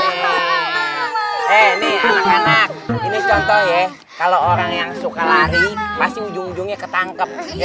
eh ini anak anak ini contoh ya kalau orang yang suka lari pasti ujung ujungnya ketangkep